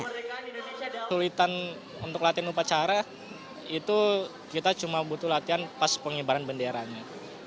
kesulitan untuk latihan upacara itu kita cuma butuh latihan pas pengibaran benderanya